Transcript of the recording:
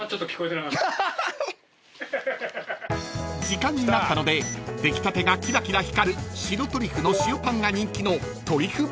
［時間になったので出来たてがキラキラ光る白トリュフの塩パンが人気の］